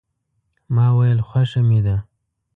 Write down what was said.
ما ویل خوښه مې ده.